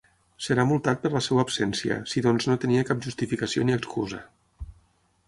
Serà multat per la seva absència, si doncs no tenia cap justificació ni excusa.